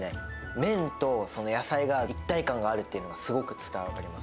麺と野菜が一体感があるっていうのが、すごく伝わるんです。